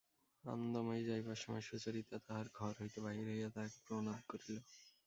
আনন্দময়ী যাইবার সময় সুচরিতা তাহার ঘর হইতে বাহির হইয়া তাঁহাকে প্রণাম করিল।